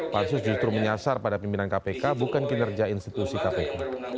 pansus justru menyasar pada pimpinan kpk bukan kinerja institusi kpk